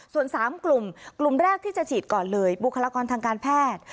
ส่วน๓กลุ่มกลุ่มแรกที่จะฉีดก่อนเลยบุคลากรทางการแพทย์